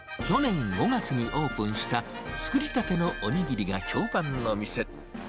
去年５月にオープンした、作りたてのおにぎりが評判の店。